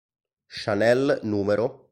Chanel No.